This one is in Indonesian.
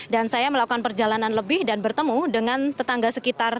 dan saya melakukan perjalanan lebih dan bertemu dengan tetangga sekitar